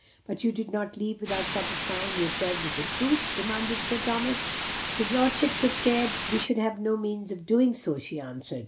"But you did not leave without satisfying yourselves of the truth?" demanded Sir Thomas. "His lordship took care we should have no means of doing so," she answered.